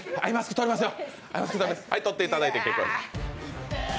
取っていただいて結構です。